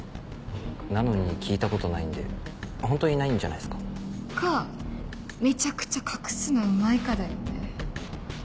なのに聞いたことないんでホントにないんじゃないっすか。かめちゃくちゃ隠すのうまいかだよね。